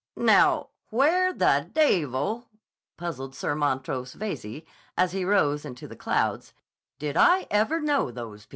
"Now, where the dayvle," puzzled Sir Montrose Veyze as he rose into the clouds "did I ever know those people?"